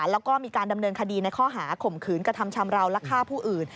แล้วก็มีการดำเนินคดีในข้อหาข่มขืนกระทำชำราวและฆ่าผู้อื่น